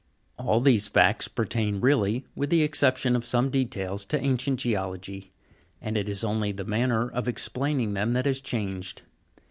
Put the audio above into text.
All these facts pertain really, with the exception of some details, to ancient geology ; and it is only the manner of explaining them that has changed.